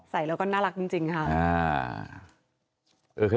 ใส่แล้วก็น่ารักจริงค่ะ